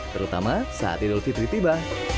terutama saat idul fitri tiba